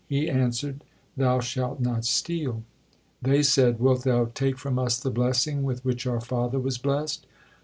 He answered, "Thou shalt not steal." They said: "Wilt Thou take from us the blessing with which our father was blessed?